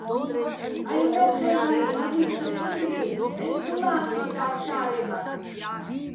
ჺაჲლ-მა́ჲთხემფარი, ას იცხრიჼ ინდრი ნჵაჲჸ ცო ლა́ხკინდას შა́რემაქ.